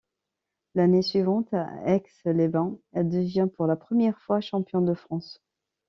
L'année suivante, à Aix-les-Bains, elle devient pour la première fois championne de France.